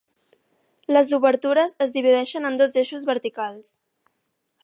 Les obertures es divideixen en dos eixos verticals.